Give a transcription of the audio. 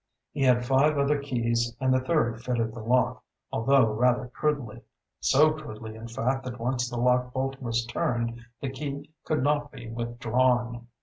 He had five other keys and the third fitted the lock, although rather crudely; so crudely in fact that once the lock bolt was turned the key could not be withdrawn.